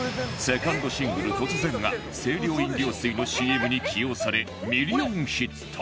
セカンドシングル『突然』が清涼飲料水の ＣＭ に起用されミリオンヒット